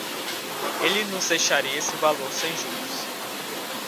Ele nos deixaria esse valor sem juros.